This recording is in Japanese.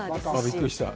びっくりした。